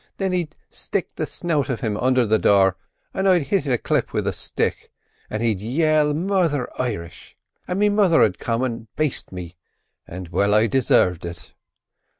Thin he'd stick the snout of him undher the door an' I'd hit it a clip with a stick, and he'd yell murther Irish. An' me mother'd come out an' baste me, an' well I desarved it.